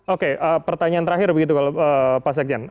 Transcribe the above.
oke pertanyaan terakhir begitu kalau pak sekjen